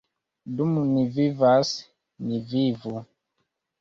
Dum ni vivas, ni vivu!